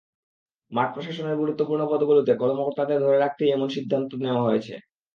মাঠ প্রশাসনের গুরুত্বপূর্ণ পদগুলোতে কর্মকর্তাদের ধরে রাখতেই এমন সিদ্ধান্ত নেওয়া হয়েছে।